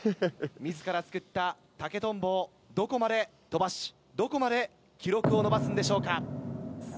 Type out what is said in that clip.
自ら作った竹とんぼをどこまで飛ばしどこまで記録を伸ばすんでしょうか？